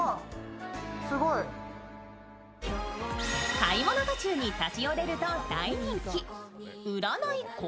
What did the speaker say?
買い物途中に立ち寄れると大人気。